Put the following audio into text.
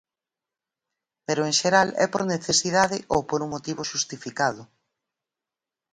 Pero en xeral é por necesidade ou por un motivo xustificado.